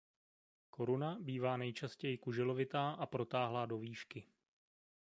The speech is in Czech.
Koruna bývá nejčastěji kuželovitá a protáhlá do výšky.